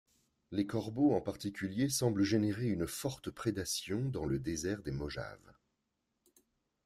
Les corbeaux, en particulier, semblent générer une forte prédation dans le désert des Mojaves.